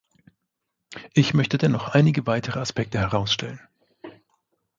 Ich möchte dennoch einige weitere Aspekte herausstellen.